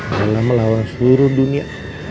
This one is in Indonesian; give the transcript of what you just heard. rela melawan seluruh dunia